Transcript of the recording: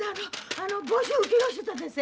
あの募集受けようとしてたんでっせ。